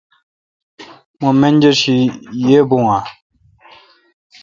مہ منجر شی یی بون اہ؟